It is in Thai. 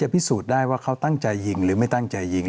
พิสูจน์ได้ว่าเขาตั้งใจยิงหรือไม่ตั้งใจยิง